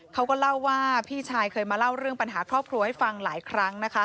เขาก็เล่าว่าพี่ชายเคยมาเล่าเรื่องปัญหาครอบครัวให้ฟังหลายครั้งนะคะ